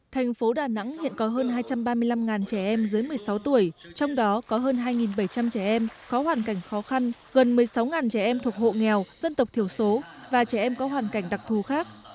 thành phố đà nẵng hiện có hơn hai trăm ba mươi năm trẻ em dưới một mươi sáu tuổi trong đó có hơn hai bảy trăm linh trẻ em có hoàn cảnh khó khăn gần một mươi sáu trẻ em thuộc hộ nghèo dân tộc thiểu số và trẻ em có hoàn cảnh đặc thù khác